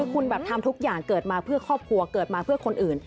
คุณแบบทำทุกอย่างเกิดมาเพื่อครอบครัวเกิดมาเพื่อคนอื่น